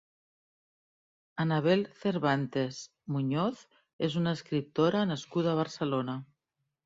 Annabel Cervantes Muñoz és una escriptora nascuda a Barcelona.